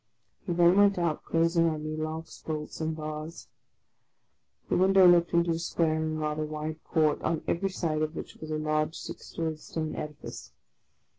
He then went out, closing on me locks, bolts, and bars. The window looked into a square and rather wide court, on every side of which was a large six storied stone edifice.